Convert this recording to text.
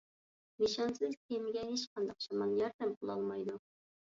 نىشانسىز كېمىگە ھېچقانداق شامال ياردەم قىلالمايدۇ.